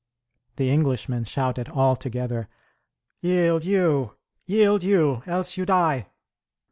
The Englishmen shouted all together, "Yield you! Yield you, else you die!"